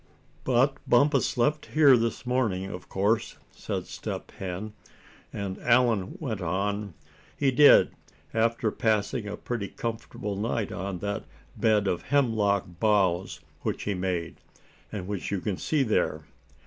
"But Bumpus left here this morning, of course?" said Step Hen; and Allan went on: "He did, after passing a pretty comfortable night on that bed of hemlock boughs which he made, and which you can see there.